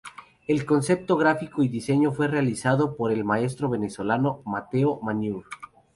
El concepto gráfico y diseño fue realizado por el gran maestro venezolano Mateo Manaure.